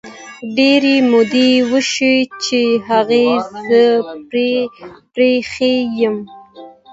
ډیري مودې وشوی چې هغه زه پری ایښي یمه